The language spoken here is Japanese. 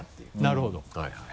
なるほど。